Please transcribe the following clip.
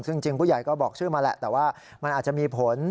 ซึ่งจริงผู้ใหญ่ก็บอกชื่อมาแหละแต่ว่ามันอาจจะมีผล